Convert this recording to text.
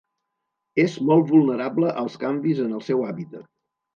És molt vulnerable als canvis en el seu hàbitat.